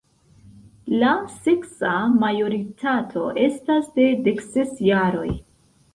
La seksa majoritato estas de dekses jaroj.